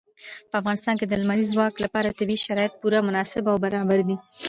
په افغانستان کې د لمریز ځواک لپاره طبیعي شرایط پوره مناسب او برابر دي.